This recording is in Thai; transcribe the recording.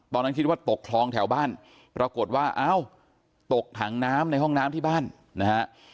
ตอนนั้นคิดว่าตกคลองแถวบ้านปรากฏว่าเอ้าตกถังน้ำในห้องน้ำที่บ้านนะฮะ